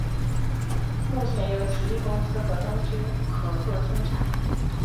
目前由奇异公司和东芝合作生产。